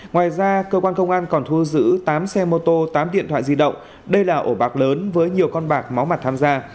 ngoài ra cơ quan công an còn thu giữ tám xe mô tô tám điện thoại di động đây là ổ bạc lớn với nhiều con bạc máu mặt tham gia